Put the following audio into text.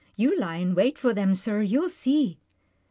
You lie in wait for them, sir, you'll see."